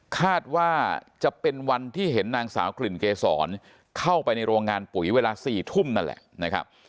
คาดว่าจะเป็นวันที่เห็นนางสาวกลิ่นเกษรเข้าไปในโรงงานปุ๋ยเวลา๔ทุ่มนั่นแหละนะครับ